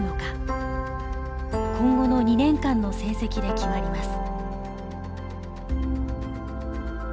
今後の２年間の成績で決まります。